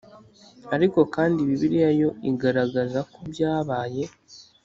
Ariko kandi Bibiliya yo igaragaza ko byabaye